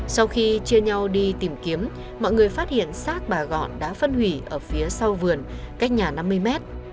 sau khi chia nhau đi tìm kiếm mọi người phát hiện xác bà gọn đã phân hủy ở phía sau vườn cách nhà năm mươi mét